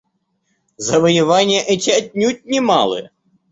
Завоевания эти отнюдь не малые.